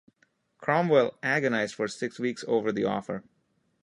Cromwell agonised for six weeks over the offer.